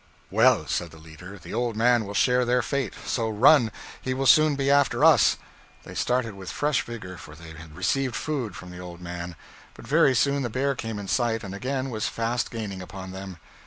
'Well,' said the leader, 'the old man will share their fate: so run; he will soon be after us.' They started with fresh vigor, for they had received food from the old man: but very soon the bear came in sight, and again was fast gaining upon them.